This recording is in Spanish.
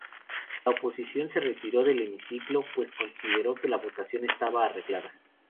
La oposición se retiró del hemiciclo, pues consideró que la votación estaba arreglada.